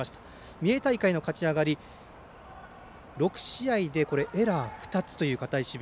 三重大会の勝ち上がり６試合でエラー２つという堅い守備。